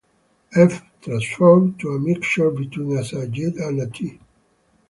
"F" transforms to a mixture between a "J" and a "t".